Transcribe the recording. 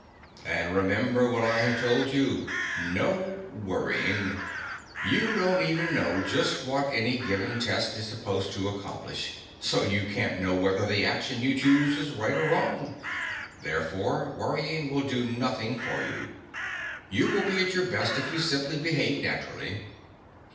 "And remember what I have told you. No worrying. You don't even know just what any given test is supposed to accomplish, so you can't know whether the action you choose is right or wrong. Therefore, worrying will do nothing for you. You will be at your best if you simply behave naturally."